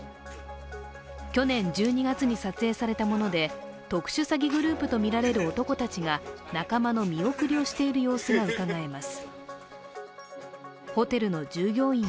去年１２月に撮影されたもので特殊詐欺グループとみられる男たちが仲間の見送りをしている様子がうかがえます。